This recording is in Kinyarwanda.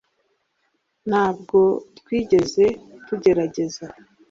ntabwo twigeze tugerageza